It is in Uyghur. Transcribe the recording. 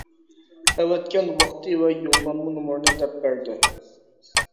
ئەۋەتكەن ۋاقتى ۋە يوللانما نومۇرىنى دەپ بەردى.